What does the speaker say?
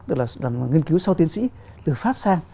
tức là nghiên cứu sâu tiến sĩ từ pháp sang